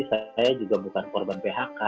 saya juga bukan korban phk